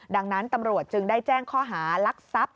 ดังนั้นตำรวจจึงได้แจ้งข้อหารักทรัพย์